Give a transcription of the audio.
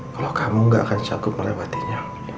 kalau kamu nggak akan sengguh melewatinya